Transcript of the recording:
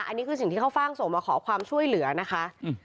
อันนี้คือสิ่งที่เขาฟ่างส่งมาขอความช่วยเหลือนะคะ